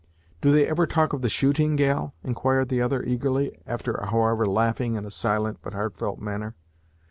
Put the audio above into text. "Do they ever talk of the shooting, gal?" inquired the other eagerly, after, however, laughing in a silent but heartfelt manner.